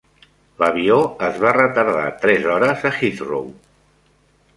L'avió es va retardar tres hores a Heathrow.